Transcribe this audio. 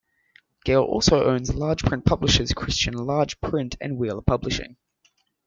Gale also owns large print publishers Christian Large Print and Wheeler Publishing.